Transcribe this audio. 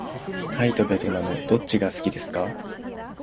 タイとべトナムどっちが好きですか。